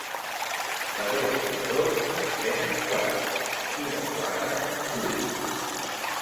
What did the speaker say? De dos i dos en venen quatre, i de quatre vuit